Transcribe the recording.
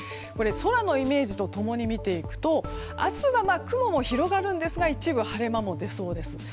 空のイメージと共に見ていくと明日は雲も広がるんですが一部晴れ間も出そうです。